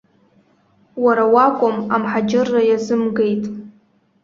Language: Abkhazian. Уара уакәым, амҳаџьырра иазымгеит.